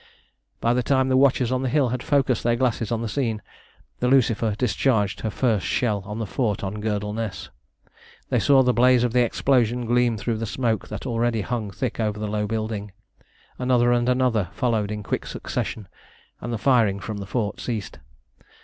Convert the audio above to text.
By the time the watchers on the hill had focussed their glasses on the scene, the Lucifer discharged her first shell on the fort on Girdleness. They saw the blaze of the explosion gleam through the smoke that already hung thick over the low building. Another and another followed in quick succession, and the firing from the fort ceased.